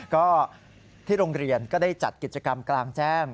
ก็ที่โรงเรียนก็ได้จัดกิจกรรมกลางแจ้ง